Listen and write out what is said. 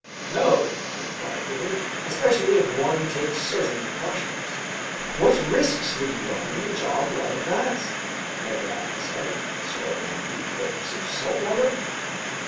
"No," I replied quickly, "especially if one takes certain precautions." "What risks would you run in a job like that?" Ned Land said. "Swallowing a few gulps of salt water?"